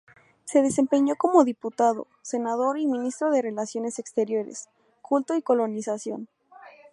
Se desempeñó como diputado, senador y ministro de Relaciones Exteriores, Culto y Colonización.